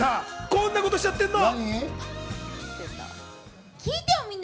こんなことしちゃってんの。